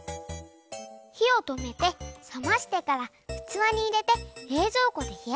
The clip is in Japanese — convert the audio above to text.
ひをとめてさましてからうつわに入れてれいぞうこでひやすの。